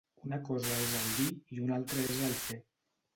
Una cosa és el dir i una altra és el fer.